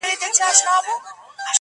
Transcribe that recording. o ترور دوهمه مور ده!